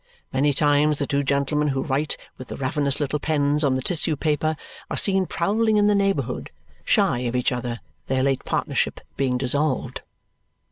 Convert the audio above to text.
Many times the two gentlemen who write with the ravenous little pens on the tissue paper are seen prowling in the neighbourhood shy of each other, their late partnership being dissolved.